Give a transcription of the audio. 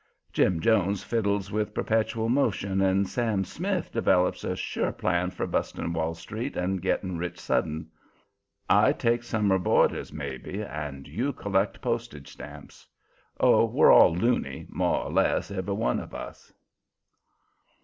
Jim Jones fiddles with perpetual motion and Sam Smith develops a sure plan for busting Wall Street and getting rich sudden. I take summer boarders maybe, and you collect postage stamps. Oh, we're all looney, more or less, every one of us.